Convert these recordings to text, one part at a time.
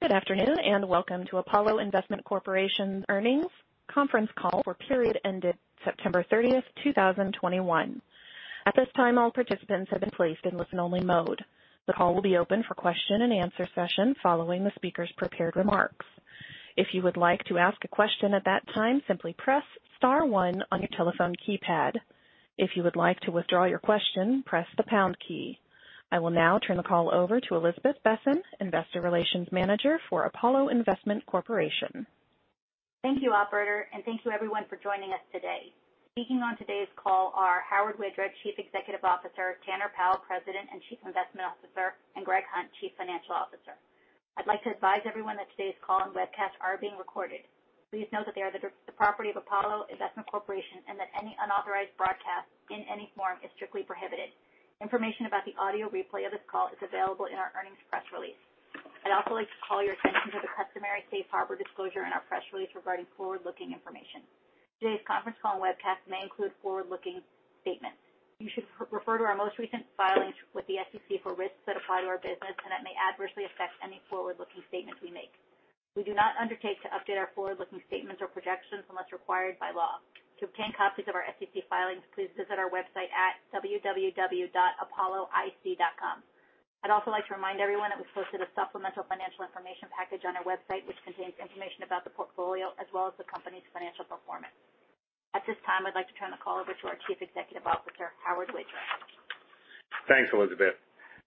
Good afternoon, and welcome to Apollo Investment Corporation earnings conference call for the period ending September 30, 2021. At this time, all participants have been placed in listen-only mode. The call will be open for question and answer session following the speaker's prepared remarks. If you would like to ask a question at that time, simply press star one on your telephone keypad. If you would like to withdraw your question, press the pound key. I will now turn the call over to Elizabeth Besen, Investor Relations Manager for Apollo Investment Corporation. Thank you, operator, and thank you everyone for joining us today. Speaking on today's call are Howard Widra, Chief Executive Officer, Tanner Powell, President and Chief Investment Officer, and Greg Hunt, Chief Financial Officer. I'd like to advise everyone that today's call and webcast are being recorded. Please note that they are the property of Apollo Investment Corporation, and that any unauthorized broadcast in any form is strictly prohibited. Information about the audio replay of this call is available in our earnings press release. I'd also like to call your attention to the customary safe harbor disclosure in our press release regarding forward-looking information. Today's conference call and webcast may include forward-looking statements. You should refer to our most recent filings with the SEC for risks that apply to our business, and that may adversely affect any forward-looking statements we make. We do not undertake to update our forward-looking statements or projections unless required by law. To obtain copies of our SEC filings, please visit our website at www.apolloic.com. I'd also like to remind everyone that we posted a supplemental financial information package on our website, which contains information about the portfolio as well as the company's financial performance. At this time, I'd like to turn the call over to our Chief Executive Officer, Howard Widra. Thanks, Elizabeth.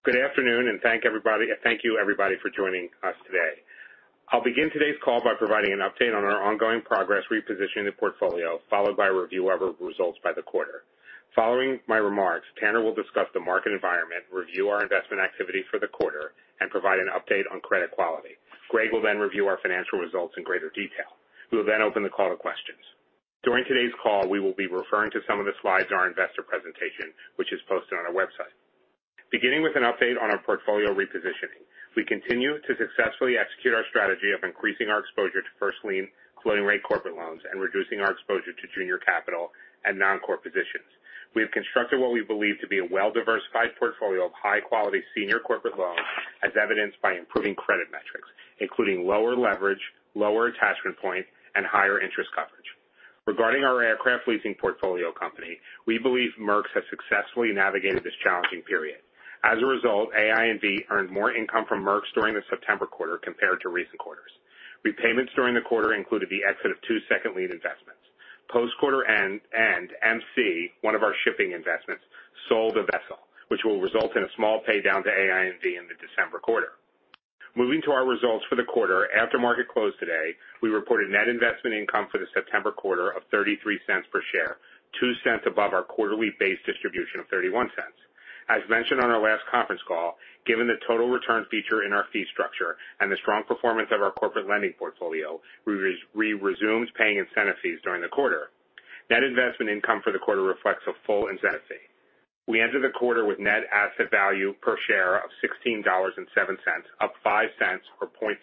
Good afternoon, and thank you everybody for joining us today. I'll begin today's call by providing an update on our ongoing progress repositioning the portfolio, followed by a review of our results for the quarter. Following my remarks, Tanner will discuss the market environment, review our investment activity for the quarter, and provide an update on credit quality. Greg will then review our financial results in greater detail. We will then open the call to questions. During today's call, we will be referring to some of the slides in our investor presentation, which is posted on our website. Beginning with an update on our portfolio repositioning. We continue to successfully execute our strategy of increasing our exposure to first lien floating rate corporate loans and reducing our exposure to junior capital and non-core positions. We have constructed what we believe to be a well-diversified portfolio of high-quality senior corporate loans as evidenced by improving credit metrics, including lower leverage, lower attachment point, and higher interest coverage. Regarding our aircraft leasing portfolio company, we believe MERX has successfully navigated this challenging period. As a result, AINV earned more income from MERX during the September quarter compared to recent quarters. Repayments during the quarter included the exit of two second lien investments. Post-quarter end and MC, one of our shipping investments, sold a vessel which will result in a small paydown to AINV in the December quarter. Moving to our results for the quarter. After market close today, we reported net investment income for the September quarter of $0.33 per share, $0.02 above our quarterly base distribution of $0.31. As mentioned on our last conference call, given the total return feature in our fee structure and the strong performance of our corporate lending portfolio, we resumed paying incentive fees during the quarter. Net investment income for the quarter reflects a full incentive fee. We ended the quarter with net asset value per share of $16.07, up $0.05 or 0.3%,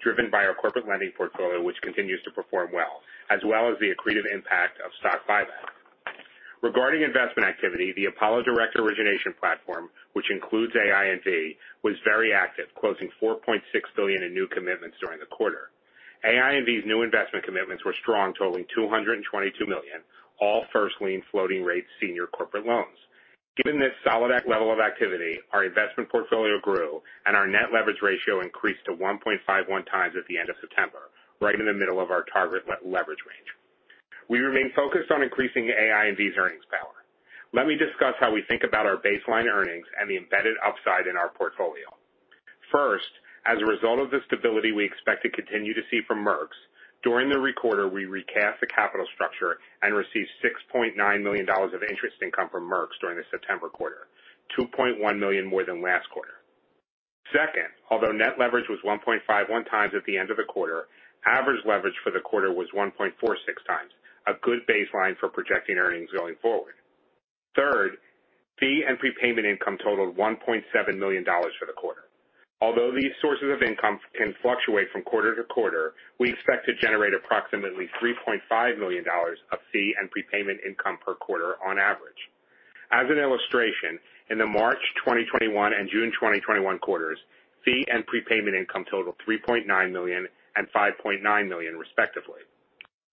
driven by our corporate lending portfolio, which continues to perform well, as well as the accretive impact of stock buyback. Regarding investment activity, the Apollo direct origination platform, which includes AINV, was very active, closing $4.6 billion in new commitments during the quarter. AINV's new investment commitments were strong, totaling $222 million, all first lien floating rate senior corporate loans. Given this solid acquisition-level of activity, our investment portfolio grew and our net leverage ratio increased to 1.51x at the end of September, right in the middle of our target leverage range. We remain focused on increasing AINV's earnings power. Let me discuss how we think about our baseline earnings and the embedded upside in our portfolio. First, as a result of the stability we expect to continue to see from MERX, during the quarter we recast the capital structure and received $6.9 million of interest income from MERX during the September quarter, $2.1 million more than last quarter. Second, although net leverage was 1.51x at the end of the quarter, average leverage for the quarter was 1.46 times, a good baseline for projecting earnings going forward. Third, fee and prepayment income totaled $1.7 million for the quarter. Although these sources of income can fluctuate from quarter-to-quarter, we expect to generate approximately $3.5 million of fee and prepayment income per quarter on average. As an illustration, in the March 2021 and June 2021 quarters, fee and prepayment income totaled $3.9 million and $5.9 million respectively.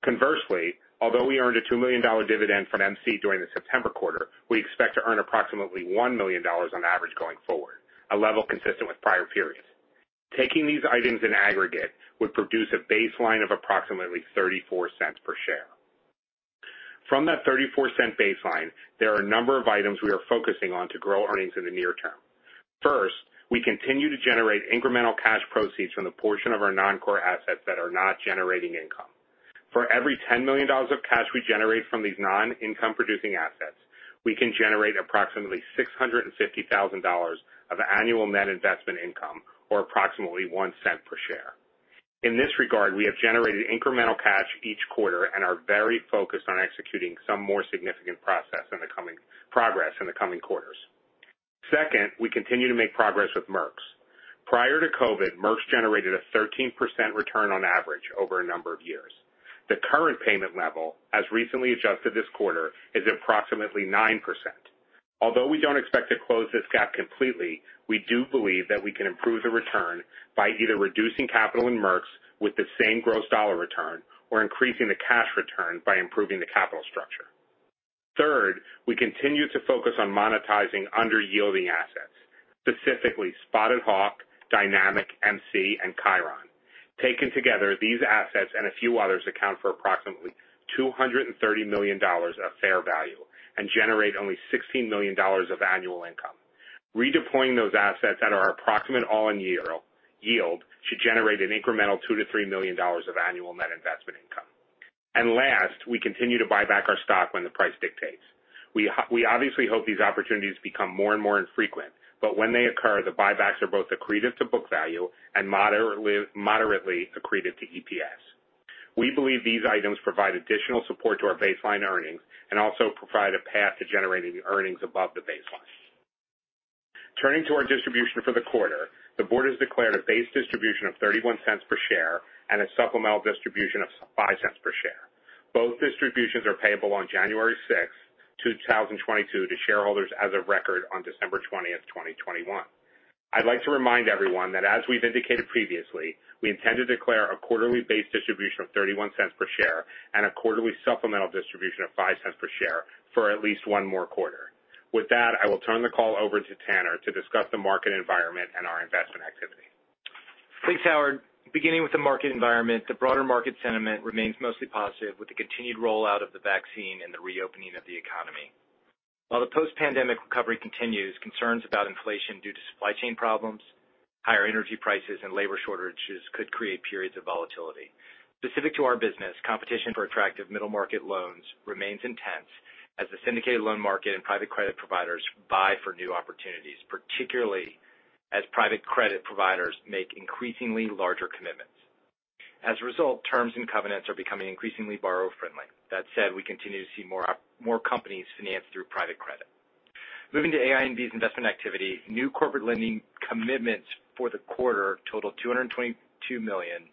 Conversely, although we earned a $2 million dividend from MC during the September quarter, we expect to earn approximately $1 million on average going forward, a level consistent with prior periods. Taking these items in aggregate would produce a baseline of approximately $0.34 per share. From that 34-cent baseline, there are a number of items we are focusing on to grow earnings in the near term. First, we continue to generate incremental cash proceeds from the portion of our non-core assets that are not generating income. For every $10 million of cash we generate from these non-income producing assets, we can generate approximately $650,000 of annual net investment income, or approximately $0.01 per share. In this regard, we have generated incremental cash each quarter and are very focused on executing some more significant progress in the coming quarters. Second, we continue to make progress with MERX. Prior to COVID, MERX generated a 13% return on average over a number of years. The current payment level, as recently adjusted this quarter, is approximately 9%. Although we don't expect to close this gap completely, we do believe that we can improve the return by either reducing capital in MERX with the same gross dollar return or increasing the cash return by improving the capital structure. Third, we continue to focus on monetizing under-yielding assets, specifically Spotted Hawk, Dynamic, MC, and Chiron. Taken together, these assets and a few others account for approximately $230 million of fair value and generate only $16 million of annual income. Redeploying those assets at our approximate all-in yield should generate an incremental $2 million-$3 million of annual net investment income. Last, we continue to buy back our stock when the price dictates. We obviously hope these opportunities become more and more infrequent, but when they occur, the buybacks are both accretive to book value and moderately accretive to EPS. We believe these items provide additional support to our baseline earnings and also provide a path to generating earnings above the baseline. Turning to our distribution for the quarter, the board has declared a base distribution of $0.31 per share and a supplemental distribution of $0.05 per share. Both distributions are payable on January 6, 2022 to shareholders of record on December 20, 2021. I'd like to remind everyone that as we've indicated previously, we intend to declare a quarterly base distribution of $0.31 per share and a quarterly supplemental distribution of $0.05 per share for at least one more quarter. With that, I will turn the call over to Tanner to discuss the market environment and our investment activity. Thanks, Howard. Beginning with the market environment, the broader market sentiment remains mostly positive with the continued rollout of the vaccine and the reopening of the economy. While the post-pandemic recovery continues, concerns about inflation due to supply chain problems, higher energy prices, and labor shortages could create periods of volatility. Specific to our business, competition for attractive middle-market loans remains intense as the syndicated loan market and private credit providers vie for new opportunities, particularly as private credit providers make increasingly larger commitments. As a result, terms and covenants are becoming increasingly borrower-friendly. That said, we continue to see more companies finance through private credit. Moving to AINV's investment activity, new corporate lending commitments for the quarter totaled $222 million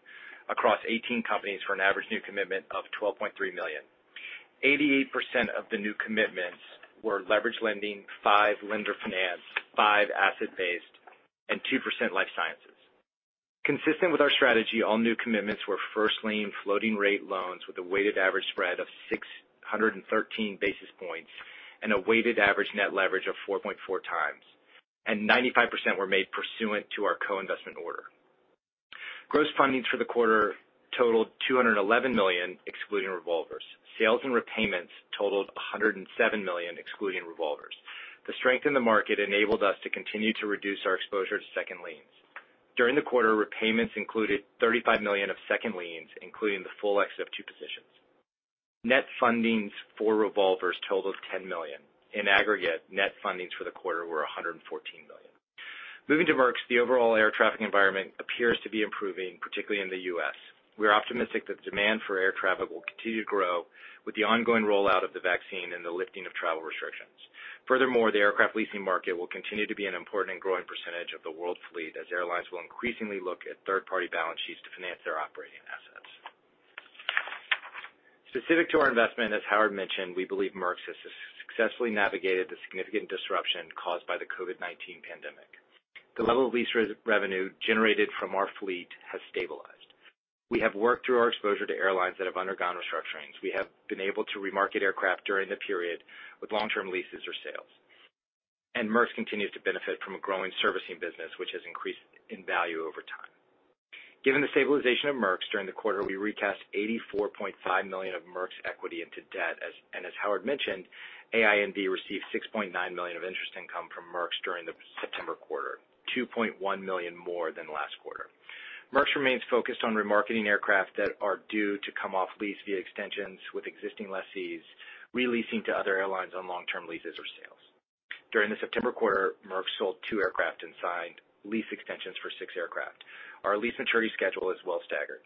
across 18 companies for an average new commitment of $12.3 million. 88% of the new commitments were leveraged lending, 5% lender finance, 5% asset-based, and 2% life sciences. Consistent with our strategy, all new commitments were first lien floating rate loans with a weighted average spread of 613 basis points and a weighted average net leverage of 4.4x, and 95% were made pursuant to our co-investment order. Gross fundings for the quarter totaled $211 million, excluding revolvers. Sales and repayments totaled $107 million, excluding revolvers. The strength in the market enabled us to continue to reduce our exposure to second liens. During the quarter, repayments included $35 million of second liens, including the full exit of two positions. Net fundings for revolvers totaled $10 million. In aggregate, net fundings for the quarter were $114 million. Moving to MERX, the overall air traffic environment appears to be improving, particularly in the U.S. We are optimistic that demand for air traffic will continue to grow with the ongoing rollout of the vaccine and the lifting of travel restrictions. Furthermore, the aircraft leasing market will continue to be an important and growing percentage of the world fleet as airlines will increasingly look at third-party balance sheets to finance their operating assets. Specific to our investment, as Howard mentioned, we believe MERX has successfully navigated the significant disruption caused by the COVID-19 pandemic. The level of lease revenue generated from our fleet has stabilized. We have worked through our exposure to airlines that have undergone restructurings. We have been able to remarket aircraft during the period with long-term leases or sales. MERX continues to benefit from a growing servicing business, which has increased in value over time. Given the stabilization of MERX during the quarter, we recast $84.5 million of MERX equity into debt. As Howard mentioned, AINV received $6.9 million of interest income from MERX during the September quarter, $2.1 million more than last quarter. MERX remains focused on remarketing aircraft that are due to come off lease via extensions with existing lessees, re-leasing to other airlines on long-term leases or sales. During the September quarter, MERX sold two aircraft and signed lease extensions for six aircraft. Our lease maturity schedule is well staggered.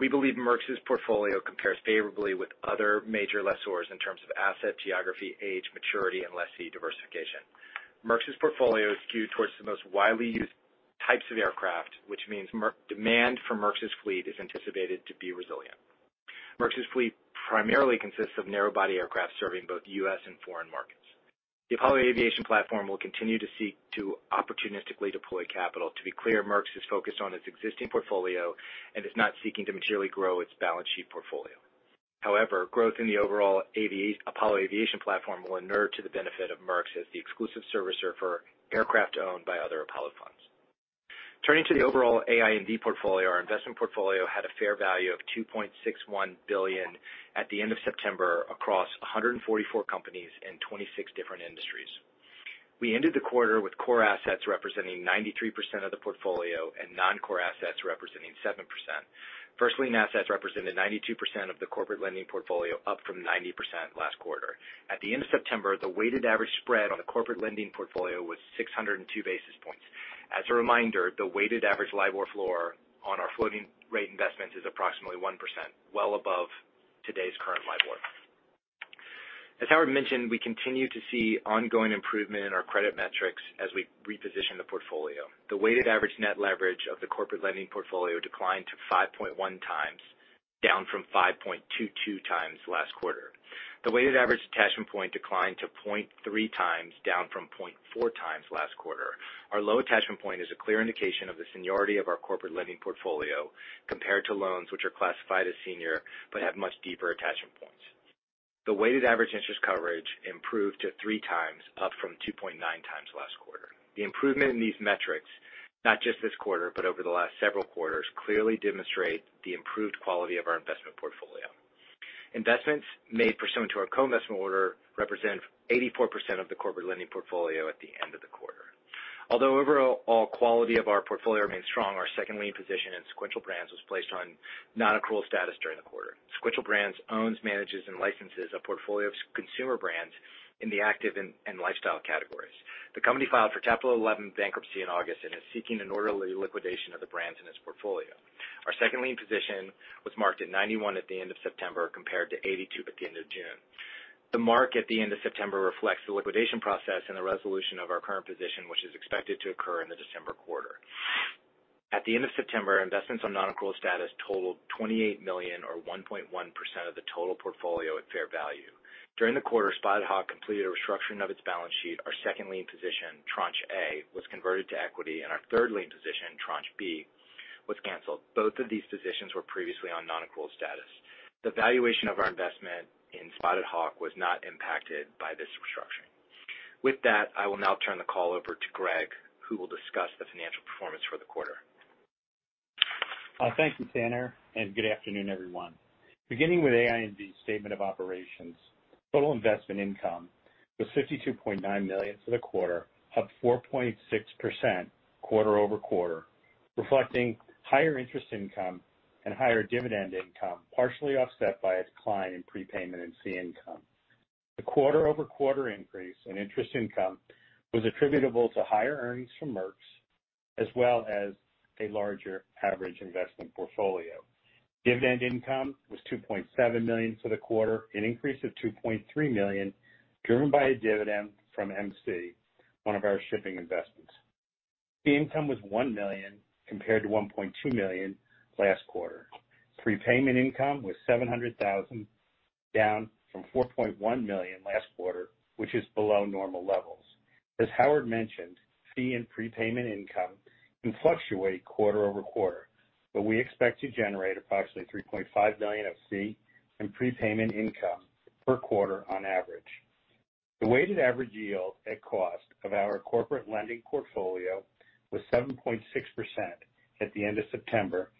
We believe MERX's portfolio compares favorably with other major lessors in terms of asset, geography, age, maturity, and lessee diversification. MERX's portfolio is skewed towards the most widely used types of aircraft, which means demand for MERX's fleet is anticipated to be resilient. MERX's fleet primarily consists of narrow-body aircraft serving both U.S. and foreign markets. The Apollo Aviation platform will continue to seek to opportunistically deploy capital. To be clear, MERX is focused on its existing portfolio and is not seeking to materially grow its balance sheet portfolio. However, growth in the overall Apollo Aviation platform will inure to the benefit of MERX as the exclusive servicer for aircraft owned by other Apollo funds. Turning to the overall AINV portfolio, our investment portfolio had a fair value of $2.61 billion at the end of September across 144 companies and 26 different industries. We ended the quarter with core assets representing 93% of the portfolio and non-core assets representing 7%. First lien assets represented 92% of the corporate lending portfolio, up from 90% last quarter. At the end of September, the weighted average spread on the corporate lending portfolio was 602 basis points. As a reminder, the weighted average LIBOR floor on our floating rate investment is approximately 1%, well above today's current LIBOR. As Howard mentioned, we continue to see ongoing improvement in our credit metrics as we reposition the portfolio. The weighted average net leverage of the corporate lending portfolio declined to 5.1x, down from 5.22x last quarter. The weighted average attachment point declined to 0.3x down from 0.4x last quarter. Our low attachment point is a clear indication of the seniority of our corporate lending portfolio compared to loans which are classified as senior but have much deeper attachment points. The weighted average interest coverage improved to 3x, up from 2.9x last quarter. The improvement in these metrics, not just this quarter, but over the last several quarters, clearly demonstrate the improved quality of our investment portfolio. Investments made pursuant to our co-investment order represent 84% of the corporate lending portfolio at the end of the quarter. Although overall quality of our portfolio remains strong, our second lien position in Sequential Brands was placed on non-accrual status during the quarter. Sequential Brands owns, manages, and licenses a portfolio of consumer brands in the active and lifestyle categories. The company filed for Chapter 11 bankruptcy in August and is seeking an orderly liquidation of the brands in its portfolio. Our second lien position was marked at 91 at the end of September, compared to 82 at the end of June. The mark at the end of September reflects the liquidation process and the resolution of our current position, which is expected to occur in the December quarter. At the end of September, investments on non-accrual status totaled $28 million, or 1.1% of the total portfolio at fair value. During the quarter, Spotted Hawk completed a restructuring of its balance sheet. Our second lien position, Tranche A, was converted to equity, and our third lien position, Tranche B, was canceled. Both of these positions were previously on non-accrual status. The valuation of our investment in Spotted Hawk was not impacted by this restructuring. With that, I will now turn the call over to Greg, who will discuss the financial performance for the quarter. Thank you, Tanner, and good afternoon, everyone. Beginning with AINV's statement of operations. Total investment income was $52.9 million for the quarter, up 4.6% quarter-over-quarter, reflecting higher interest income and higher dividend income, partially offset by a decline in prepayment and fee income. The quarter-over-quarter increase in interest income was attributable to higher earnings from MERX as well as a larger average investment portfolio. Dividend income was $2.7 million for the quarter, an increase of $2.3 million driven by a dividend from MC, one of our shipping investments. Fee income was $1 million, compared to $1.2 million last quarter. Prepayment income was $700,000, down from $4.1 million last quarter, which is below normal levels. As Howard mentioned, fee and prepayment income can fluctuate quarter over quarter, but we expect to generate approximately $3.5 million of fee and prepayment income per quarter on average. The weighted average yield at cost of our corporate lending portfolio was 7.6% at the end of September,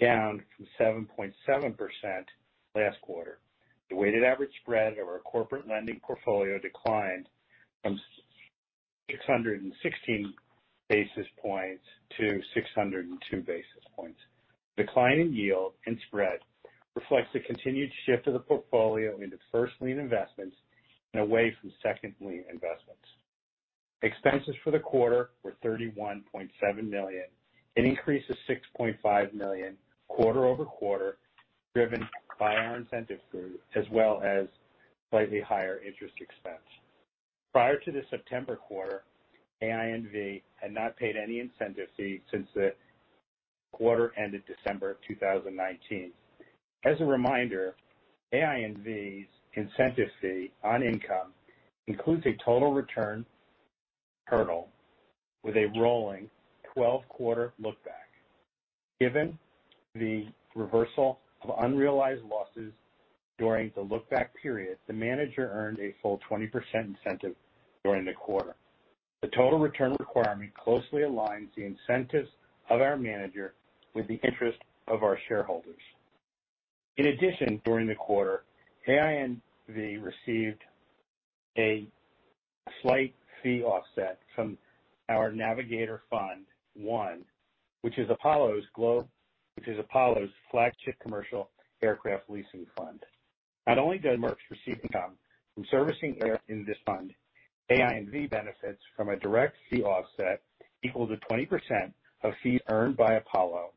down from 7.7% last quarter. The weighted average spread of our corporate lending portfolio declined from 616 basis points to 602 basis points. Decline in yield and spread reflects the continued shift of the portfolio into first lien investments and away from second lien investments. Expenses for the quarter were $31.7 million, an increase of $6.5 million quarter over quarter, driven by our incentive fee as well as slightly higher interest expense. Prior to the September quarter, AINV had not paid any incentive fee since the quarter ended December of 2019. As a reminder, AINV's incentive fee on income includes a total return hurdle with a rolling 12-quarter look-back. Given the reversal of unrealized losses during the look-back period, the manager earned a full 20% incentive during the quarter. The total return requirement closely aligns the incentives of our manager with the interest of our shareholders. In addition, during the quarter, AINV received a slight fee offset from our Navigator Aviation Fund I, which is Apollo's flagship commercial aircraft leasing fund. Not only does MERX receive income from servicing aircraft in this fund, AINV benefits from a direct fee offset equal to 20% of fees earned by Apollo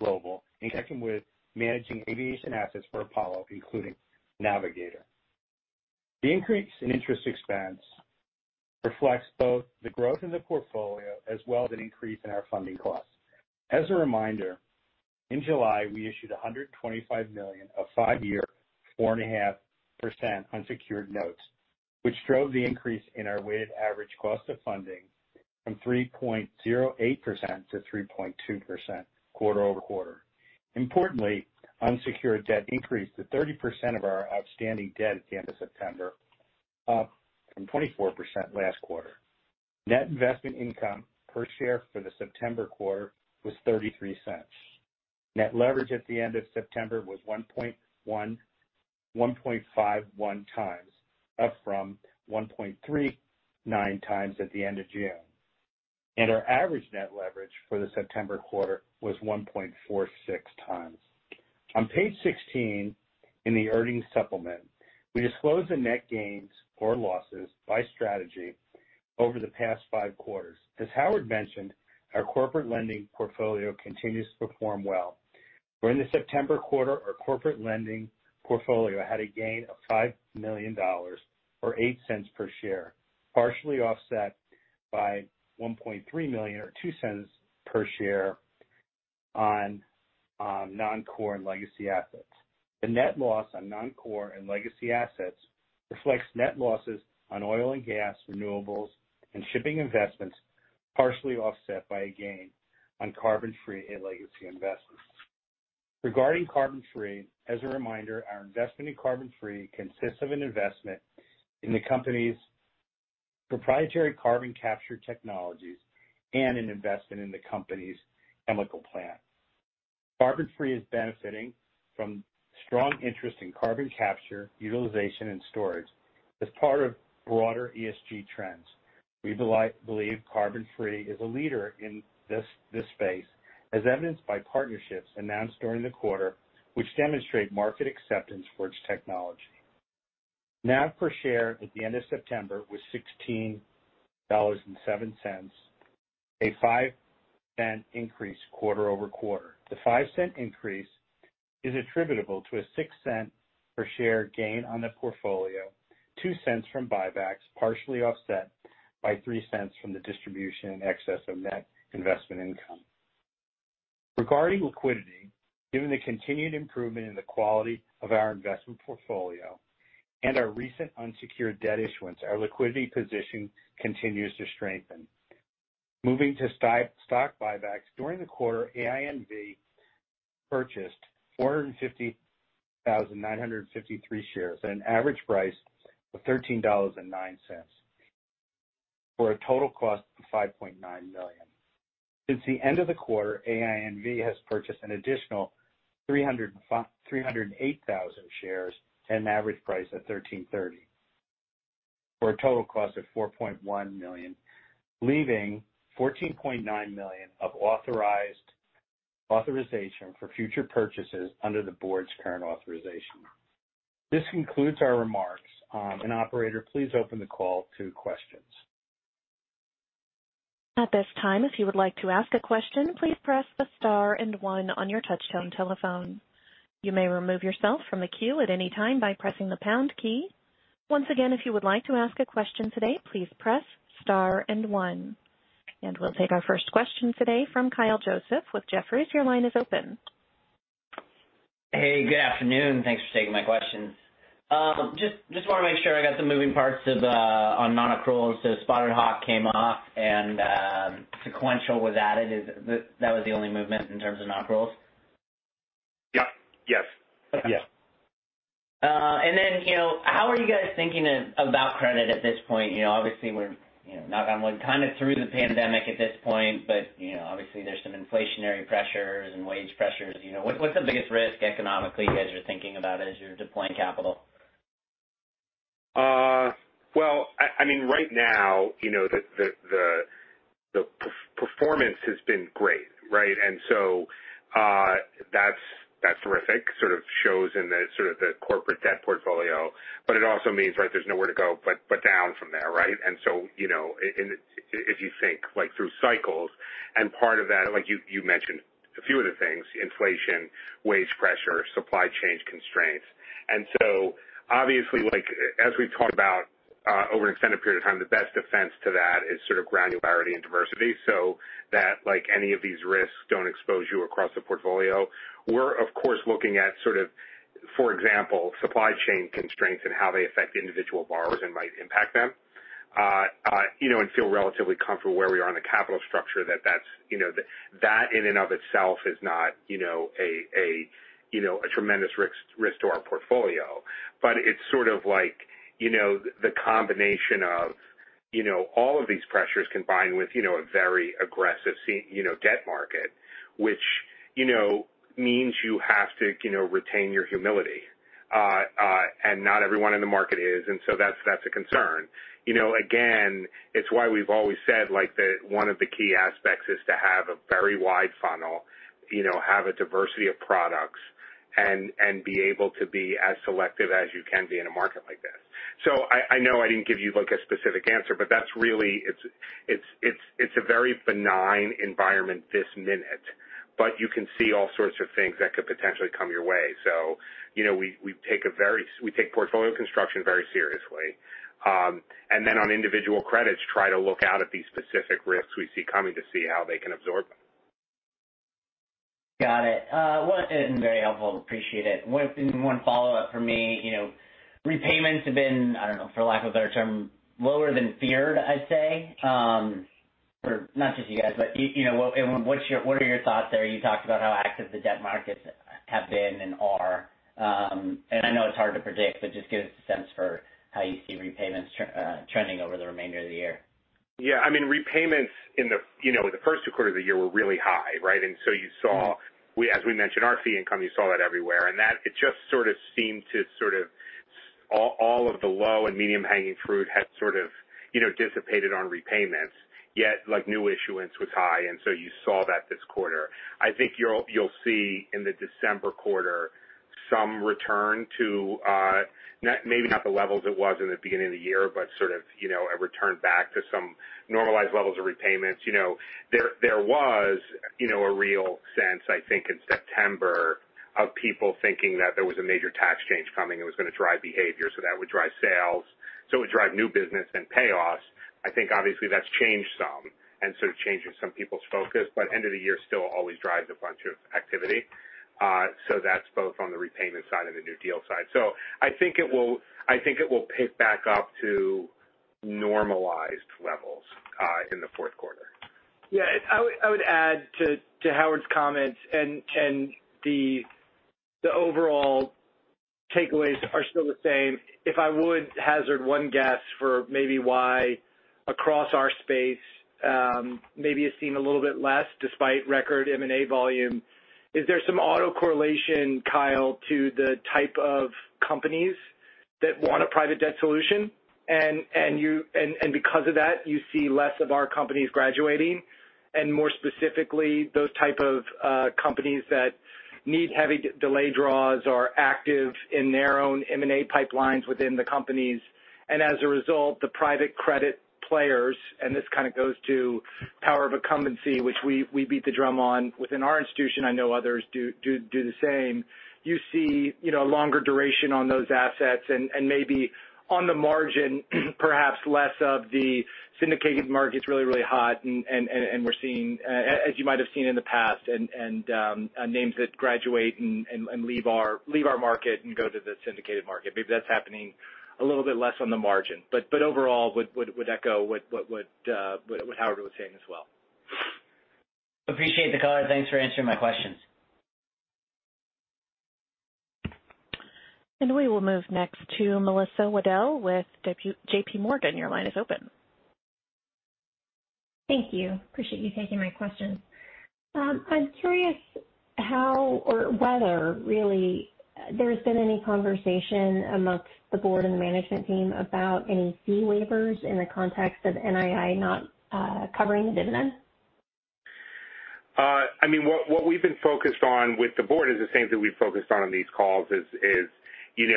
Global in connection with managing aviation assets for Apollo, including Navigator. The increase in interest expense reflects both the growth in the portfolio as well as an increase in our funding costs. As a reminder, in July, we issued $125 million of five-year, 4.5% unsecured notes, which drove the increase in our weighted average cost of funding from 3.08% to 3.2% quarter-over-quarter. Importantly, unsecured debt increased to 30% of our outstanding debt at the end of September, up from 24% last quarter. Net investment income per share for the September quarter was $0.33. Net leverage at the end of September was 1.51x, up from 1.39x at the end of June. Our average net leverage for the September quarter was 1.46x. On page sixteen in the earnings supplement, we disclose the net gains or losses by strategy over the past five quarters. As Howard mentioned, our corporate lending portfolio continues to perform well. In the September quarter, our corporate lending portfolio had a gain of $5 million or $0.08 per share, partially offset by $1.3 million or $0.02 per share on non-core and legacy assets. The net loss on non-core and legacy assets reflects net losses on oil and gas, renewables and shipping investments, partially offset by a gain on CarbonFree and legacy investments. Regarding CarbonFree, as a reminder, our investment in CarbonFree consists of an investment in the company's proprietary carbon capture technologies and an investment in the company's chemical plant. CarbonFree is benefiting from strong interest in carbon capture, utilization and storage as part of broader ESG trends. We believe CarbonFree is a leader in this space, as evidenced by partnerships announced during the quarter, which demonstrate market acceptance for its technology. NAV per share at the end of September was $16.07, a $0.05 increase quarter-over-quarter. The $0.05 increase is attributable to a $0.06 per share gain on the portfolio, $0.02 from buybacks, partially offset by $0.03 from the distribution in excess of net investment income. Regarding liquidity, given the continued improvement in the quality of our investment portfolio and our recent unsecured debt issuance, our liquidity position continues to strengthen. Moving to stock buybacks. During the quarter, AINV purchased 450,953 shares at an average price of $13.09 for a total cost of $5.9 million. Since the end of the quarter, AINV has purchased an additional 308,000 shares at an average price of $13.30 for a total cost of $4.1 million, leaving $14.9 million of authorization for future purchases under the board's current authorization. This concludes our remarks. And operator, please open the call to questions. We'll take our first question today from Kyle Joseph with Jefferies. Your line is open. Hey, good afternoon. Thanks for taking my questions. Just wanna make sure I got the moving parts on non-accruals. Spotted Hawk came off and Sequential was added. Is that the only movement in terms of non-accruals? Yeah. Yes. Okay. Yes. Then, you know, how are you guys thinking about credit at this point? You know, obviously we're, you know, knock on wood, kind of through the pandemic at this point, but, you know, obviously there's some inflationary pressures and wage pressures. You know, what's the biggest risk economically you guys are thinking about as you're deploying capital? Well, I mean, right now, you know, performance has been great, right? That's terrific. It sort of shows in the corporate debt portfolio, but it also means, right, there's nowhere to go but down from there, right? You know, if you think like through cycles and part of that, like you mentioned a few of the things, inflation, wage pressure, supply chain constraints. Obviously like as we've talked about over an extended period of time, the best defense to that is sort of granularity and diversity, so that like any of these risks don't expose you across the portfolio. We're of course looking at sort of, for example, supply chain constraints and how they affect individual borrowers and might impact them. You know, we feel relatively comfortable where we are in the capital structure. That, in and of itself, is not, you know, a tremendous risk to our portfolio. But it's sort of like, you know, the combination of, you know, all of these pressures combined with, you know, a very aggressive debt market, which, you know, means you have to, you know, retain your humility. Not everyone in the market is, so that's a concern. You know, again, it's why we've always said like one of the key aspects is to have a very wide funnel, you know, have a diversity of products and be able to be as selective as you can be in a market like this. I know I didn't give you like a specific answer, but that's really, it's a very benign environment this minute, but you can see all sorts of things that could potentially come your way. You know, we take portfolio construction very seriously. And then on individual credits, we try to look out at these specific risks we see coming to see how they can absorb them. Got it. Well, very helpful. Appreciate it. One and one follow-up for me. You know, repayments have been, I don't know, for lack of a better term, lower than feared, I'd say, or not just you guys, but you know, what are your thoughts there? You talked about how active the debt markets have been and are. I know it's hard to predict, but just give us a sense for how you see repayments trending over the remainder of the year. Yeah. I mean, repayments in the, you know, the first two quarters of the year were really high, right? You saw, as we mentioned, our fee income. You saw that everywhere, and that it just sort of seemed all of the low- and medium-hanging fruit had sort of, you know, dissipated on repayments. Yet like new issuance was high, and so you saw that this quarter. I think you'll see in the December quarter. Some return to not maybe not the levels it was in the beginning of the year, but sort of, you know, a return back to some normalized levels of repayments. You know, there was, you know, a real sense, I think in September, of people thinking that there was a major tax change coming that was gonna drive behavior, so that would drive sales, so it would drive new business and payoffs. I think obviously that's changed some and sort of changing some people's focus. End of the year still always drives a bunch of activity. That's both on the repayment side and the new deal side. I think it will pick back up to normalized levels in the fourth quarter. Yeah. I would add to Howard's comments, and the overall takeaways are still the same. If I would hazard one guess for maybe why across our space, maybe it's seen a little bit less despite record M&A volume, is there some autocorrelation, Kyle, to the type of companies that want a private debt solution and because of that, you see less of our companies graduating. More specifically, those type of companies that need heavy delayed draws are active in their own M&A pipelines within the companies. As a result, the private credit players, and this kind of goes to power of incumbency, which we beat the drum on within our institution. I know others do the same. You see, you know, longer duration on those assets and maybe on the margin, perhaps less of the syndicated markets really hot, and we're seeing, as you might have seen in the past, names that graduate and leave our market and go to the syndicated market. Maybe that's happening a little bit less on the margin. Overall would echo what Howard was saying as well. Appreciate the color. Thanks for answering my questions. We will move next to Melissa Wedel with JPMorgan. Your line is open. Thank you. I appreciate you taking my questions. I'm curious how or whether really there's been any conversation amongst the board and the management team about any fee waivers in the context of NII not covering the dividend. I mean, what we've been focused on with the board is the same thing we've focused on on these calls is, you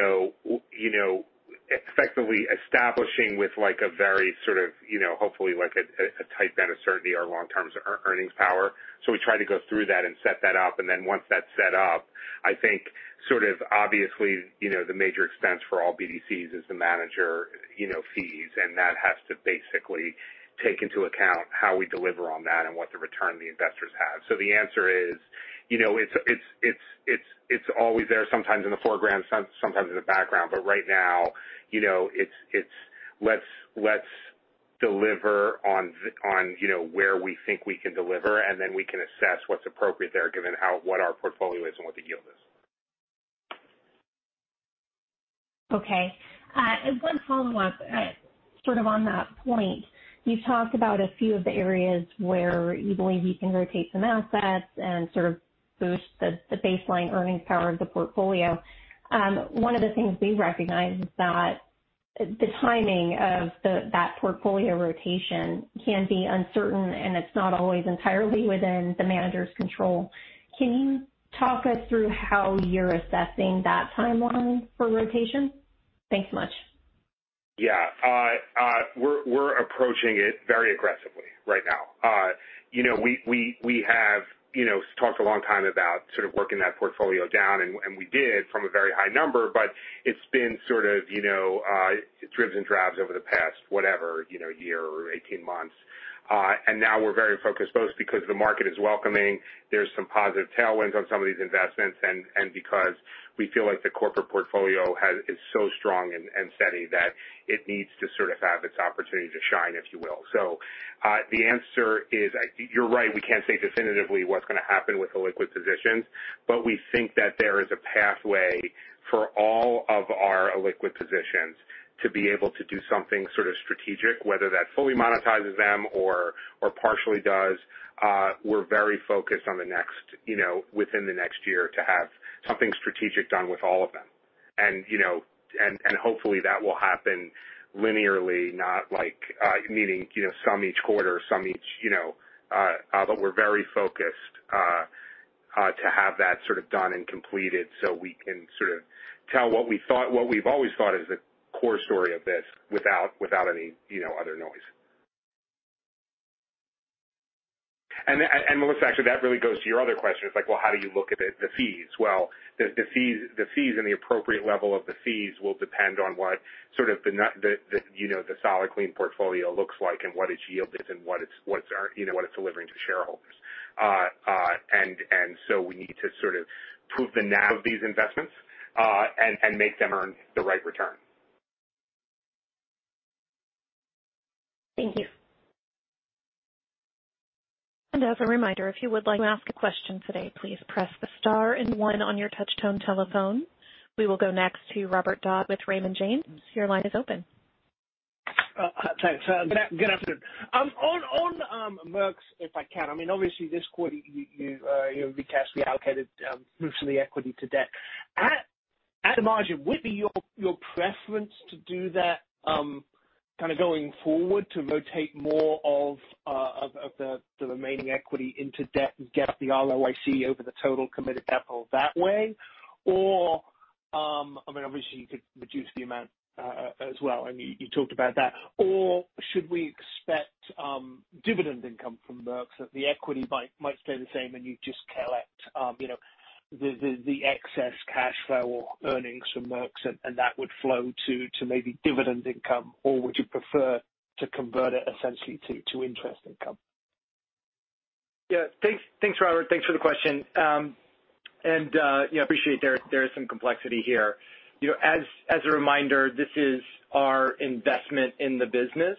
know, effectively establishing with like a very sort of, you know, hopefully like a tight band of certainty our long-term earnings power. We try to go through that and set that up, and then once that's set up, I think sort of obviously, you know, the major expense for all BDCs is the manager, you know, fees. That has to basically take into account how we deliver on that and what the return the investors have. The answer is, you know, it's always there, sometimes in the foreground, sometimes in the background. Right now, you know, it's let's deliver on, you know, where we think we can deliver, and then we can assess what's appropriate there given how what our portfolio is and what the yield is. Okay. One follow-up, sort of on that point. You've talked about a few of the areas where you believe you can rotate some assets and sort of boost the baseline earnings power of the portfolio. One of the things we recognize is that the timing of that portfolio rotation can be uncertain, and it's not always entirely within the manager's control. Can you talk us through how you're assessing that timeline for rotation? Thanks much. Yeah. We're approaching it very aggressively right now. You know, we have talked a long time about sort of working that portfolio down, and we did from a very high number. It's been sort of, you know, dribs and drabs over the past whatever, you know, year or 18 months. Now we're very focused both because the market is welcoming, there's some positive tailwinds on some of these investments, and because we feel like the corporate portfolio is so strong and steady that it needs to sort of have its opportunity to shine, if you will. The answer is, I think you're right. We can't say definitively what's gonna happen with illiquid positions. We think that there is a pathway for all of our illiquid positions to be able to do something sort of strategic. Whether that fully monetizes them or partially does, we're very focused on the next, you know, within the next year to have something strategic done with all of them. You know, hopefully that will happen linearly, not like, meaning, you know, some each quarter, you know. We're very focused to have that sort of done and completed so we can sort of tell what we thought, what we've always thought is the core story of this without any, you know, other noise. Melissa, actually, that really goes to your other question. It's like, well, how do you look at the fees? Well, the fees and the appropriate level of the fees will depend on what sort of the solid clean portfolio looks like and what its yield is and what it's delivering to shareholders. We need to sort of prove the NAV of these investments and make them earn the right return. Thank you. As a reminder, if you would like to ask a question today, please press the star and one on your touch tone telephone. We will go next to Robert Dodd with Raymond James. Your line is open. Hi. Good afternoon. On MERX's, if I can, I mean, obviously this quarter you know, the cash reallocated from the equity to debt. At- At the margin, would be your preference to do that kind of going forward to rotate more of the remaining equity into debt and get the ROIC over the total committed capital that way? Or, I mean, obviously, you could reduce the amount as well, and you talked about that. Or should we expect dividend income from MERX's that the equity might stay the same and you just collect you know the excess cash flow or earnings from MERX's and that would flow to maybe dividend income, or would you prefer to convert it essentially to interest income? Yeah. Thanks. Thanks, Robert. Thanks for the question. You know, I appreciate that there is some complexity here. You know, as a reminder, this is our investment in the business.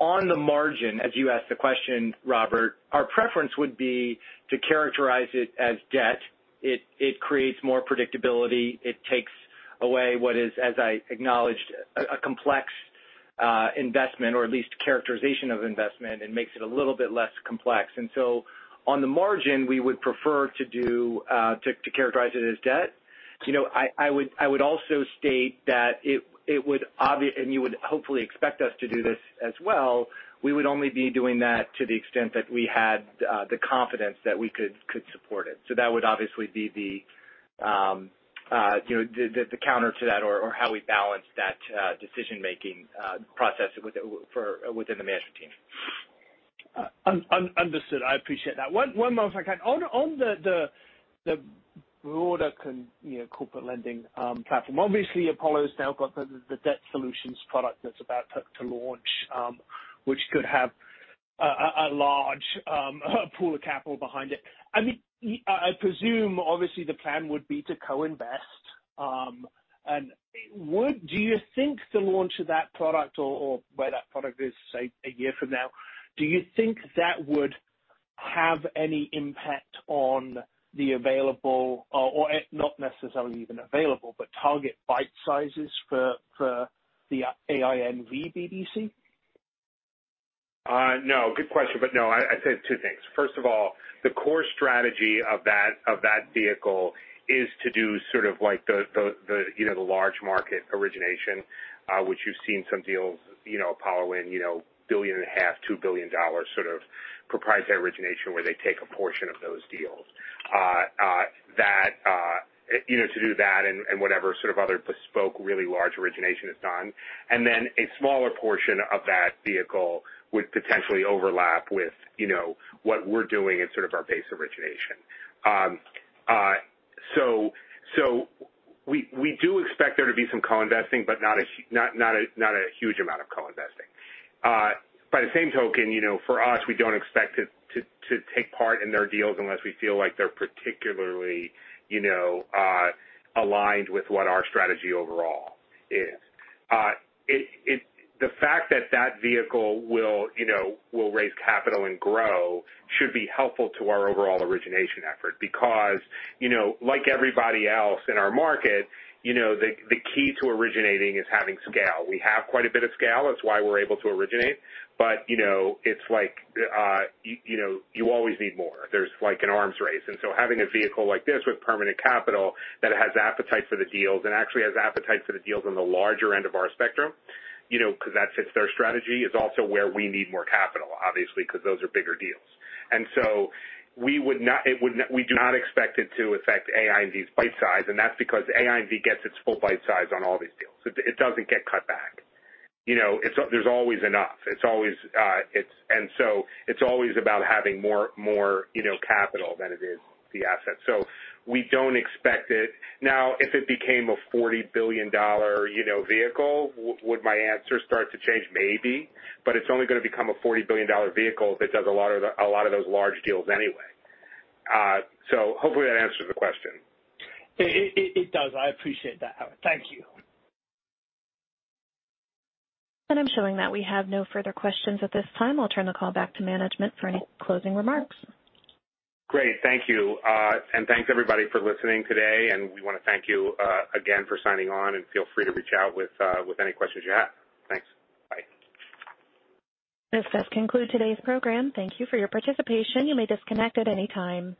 On the margin, as you asked the question, Robert, our preference would be to characterize it as debt. It creates more predictability. It takes away what is, as I acknowledged, a complex investment or at least characterization of investment and makes it a little bit less complex. On the margin, we would prefer to characterize it as debt. You know, I would also state that it would and you would hopefully expect us to do this as well. We would only be doing that to the extent that we had the confidence that we could support it. That would obviously be the, you know, the counter to that or how we balance that decision-making process within the management team. Understood. I appreciate that. One more if I can. On the broader corporate lending platform, obviously, Apollo's now got the debt solutions product that's about to launch, which could have a large pool of capital behind it. I mean, I presume obviously the plan would be to co-invest, and do you think the launch of that product or where that product is, say, a year from now, do you think that would have any impact on the available or not necessarily even available, but target bite sizes for the AINV BDC? No. Good question, but no. I'd say two things. First of all, the core strategy of that vehicle is to do sort of like the you know the large market origination, which you've seen some deals, you know, Apollo in, you know, $1.5 billion-$2 billion sort of proprietary origination where they take a portion of those deals. That you know to do that and whatever sort of other bespoke really large origination is done. Then a smaller portion of that vehicle would potentially overlap with, you know, what we're doing in sort of our base origination. So we do expect there to be some co-investing, but not a huge amount of co-investing. By the same token, you know, for us, we don't expect to take part in their deals unless we feel like they're particularly, you know, aligned with what our strategy overall is. It, the fact that that vehicle will, you know, raise capital and grow should be helpful to our overall origination effort because, you know, like everybody else in our market, you know, the key to originating is having scale. We have quite a bit of scale. That's why we're able to originate. But, you know, it's like, you know, you always need more. There's like an arms race. Having a vehicle like this with permanent capital that has appetite for the deals and actually has appetite for the deals on the larger end of our spectrum, you know, 'cause that fits their strategy, is also where we need more capital, obviously, 'cause those are bigger deals. We do not expect it to affect AINV's bite size, and that's because AINV gets its full bite size on all these deals. It doesn't get cut back. You know, there's always enough. It's always about having more, you know, capital than it is the asset. We don't expect it. Now, if it became a $40 billion vehicle, you know, would my answer start to change? Maybe. It's only gonna become a $40 billion vehicle if it does a lot of those large deals anyway. Hopefully that answers the question. It does. I appreciate that. Thank you. I'm showing that we have no further questions at this time. I'll turn the call back to management for any closing remarks. Great. Thank you. Thanks everybody for listening today, and we wanna thank you again for signing on, and feel free to reach out with any questions you have. Thanks. Bye. This does conclude today's program. Thank you for your participation. You may disconnect at any time.